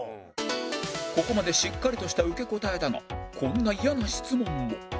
ここまでしっかりとした受け答えだがこんなイヤな質問も